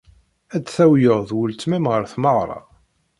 Ad d-tawyed weltma-m ɣer tmeɣra.